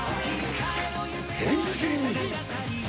変身！